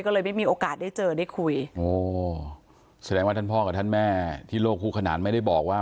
ก็เลยไม่มีโอกาสได้เจอได้คุยโอ้แสดงว่าท่านพ่อกับท่านแม่ที่โลกคู่ขนานไม่ได้บอกว่า